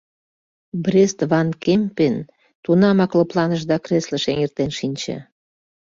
— Брест-ван-Кемпен тунамак лыпланыш да креслыш эҥертен шинче.